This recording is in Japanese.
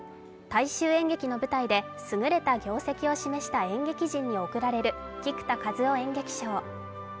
大衆演劇の舞台ですぐれた業績を示した演劇人に送られる菊田一夫演劇賞。